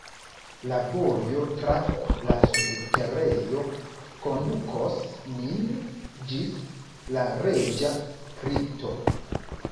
La vojo tra la subterejo kondukos nin ĝis la reĝa kripto.